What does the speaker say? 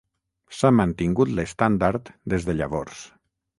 S'ha mantingut l'estàndard des de llavors.